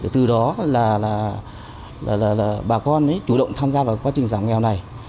từ đó là bà con chủ động tham gia vào quá trình giảm nghèo này